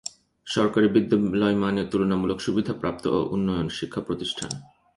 সরকারি বিদ্যালয় মানে তুলনামূলক সুবিধাপ্রাপ্ত ও উন্নত শিক্ষাপ্রতিষ্ঠান।